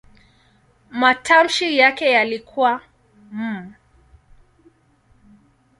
Matamshi yake yalikuwa "m".